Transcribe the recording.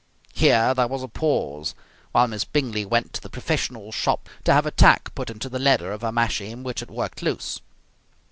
Here there was a pause while Miss Bingley went to the professional's shop to have a tack put into the leather of her mashie, which had worked loose.